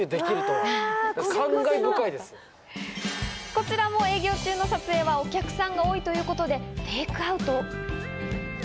こちらも営業中の撮影はお客さんが多いということでテークアウト。